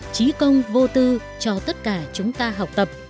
trí công vô tư cho tất cả chúng ta học tập